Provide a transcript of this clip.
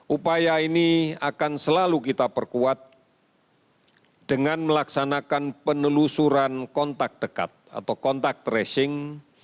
upaya ini akan selalu kita perkuat dengan melaksanakan penelusuran kontak dekat atau kontak tracing